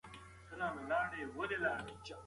د کرونا ویروس په اړه پوهه لرل نیمه درملنه بلل کېږي.